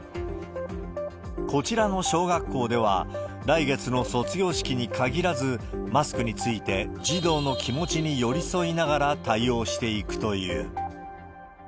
こちらの小学校では、来月の卒業式に限らず、マスクについて、児童の気持ちに寄り添いながら対応していくという。